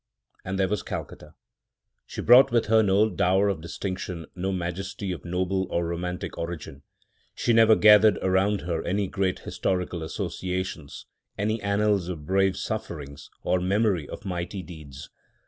and there was Calcutta. She brought with her no dower of distinction, no majesty of noble or romantic origin; she never gathered around her any great historical associations, any annals of brave sufferings, or memory of mighty deeds.